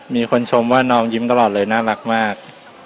มีคนชมว่าน้องยิ้มตลอดเลยน่ารักมาก